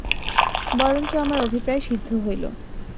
বরঞ্চ আমার অভিপ্রায় সিদ্ধ হইল।